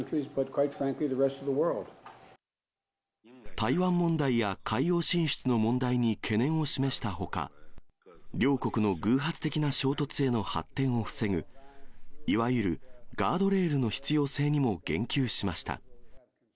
台湾問題や海洋進出の問題に懸念を示したほか、両国の偶発的な衝突への発展を防ぐ、いわゆるガードレールの必要性にも言及しました。